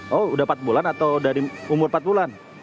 oh sudah empat bulan atau dari umur empat bulan